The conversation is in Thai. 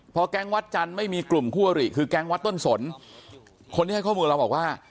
พอแก๊งวัดจันทร์ไม่มีกลุ่มคู่อริคือแก๊งวัดต้นสนคนที่ให้ข้อมูลเราบอกว่า